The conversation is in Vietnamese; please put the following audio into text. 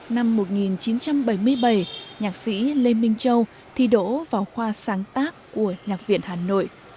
năm một nghìn chín trăm bảy mươi bảy nhạc sĩ lê minh châu thi đổ vào khoa sáng tác của nhạc viện hà nội